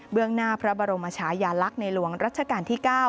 หน้าพระบรมชายาลักษณ์ในหลวงรัชกาลที่๙